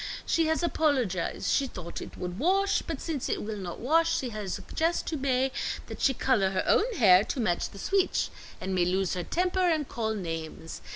She has apologize. She thought it would wash, but since it will not wash, she has suggest to Mae that she color her own hair to match the sweetch, and Mae lose her temper and call names.